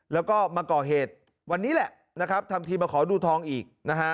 แล้วก็มาก่อเหตุวันนี้แหละทำทีมาขอดูทองอีก